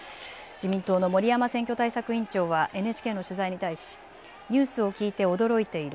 自民党の森山選挙対策委員長はＮＨＫの取材に対しニュースを聞いて驚いている。